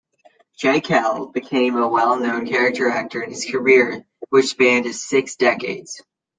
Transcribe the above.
Jaeckel became a well known character actor in his career, which spanned six decades.